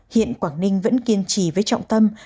hiện quảng ninh vẫn kiên trì với trọng tâm